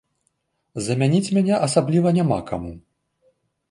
Замяніць мяне асабліва няма каму.